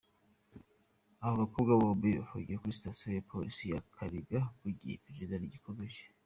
Abo bakobwa bombi bafungiwe kuri Sitasiyo ya Polisi ya Kaniga mu gihe iperereza rigikomeje.